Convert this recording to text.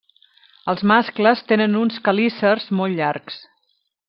Els mascles tenen uns quelícers molt llargs.